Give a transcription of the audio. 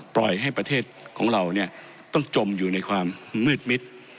ปล่อยให้ประเทศของเราเนี่ยต้องจมอยู่ในความมืดมิด